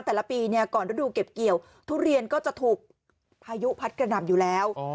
แต่ละปีเนี่ยก่อนฤดูเก็บเกี่ยวทุเรียนก็จะถูกพายุพัดกระหน่ำอยู่แล้ว